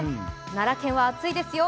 奈良県は暑いですよ。